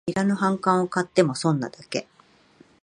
いらぬ反感を買っても損なだけ